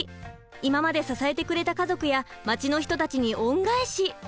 今まで支えてくれた家族や町の人たちに恩返し。